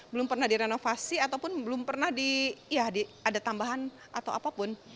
belum pernah direnovasi ataupun belum pernah ada tambahan atau apapun